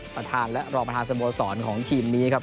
ประธานและรองประธานสโมสรของทีมนี้ครับ